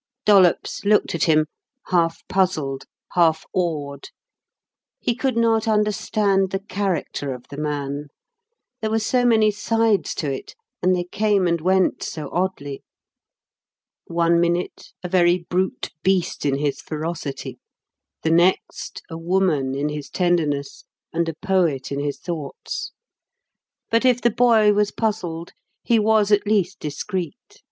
Dollops looked at him half puzzled, half awed. He could not understand the character of the man: there were so many sides to it; and they came and went so oddly. One minute, a very brute beast in his ferocity, the next, a woman in his tenderness and a poet in his thoughts. But if the boy was puzzled, he was, at least, discreet.